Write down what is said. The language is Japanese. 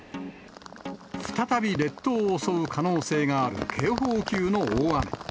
再び列島を襲う可能性がある警報級の大雨。